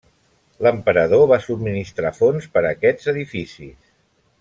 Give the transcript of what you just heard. L'emperador va subministrar fons per a aquests edificis.